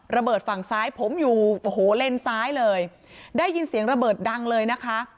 ฝั่งซ้ายผมอยู่โอ้โหเลนซ้ายเลยได้ยินเสียงระเบิดดังเลยนะคะ